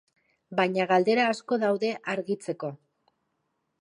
Baina galdera asko daude argittzeko.